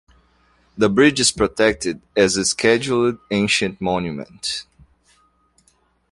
The bridge is protected as a Scheduled Ancient Monument.